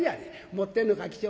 持ってんのか起請。